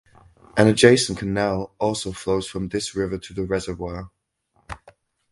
An adjacent canal also flows from this river to the reservoir.